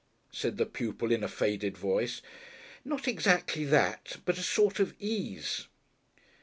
said the pupil, in a faded voice. "Not exactly that, but a sort of ease."